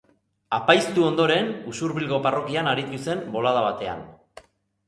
Apaiztu ondoren, Usurbilgo parrokian aritu zen bolada batean.